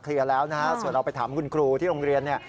เคลียร์แล้วนะครับส่วนเราไปถามคุณครูที่โรงเรียน